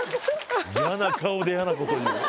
嫌な顔で嫌なこと言う。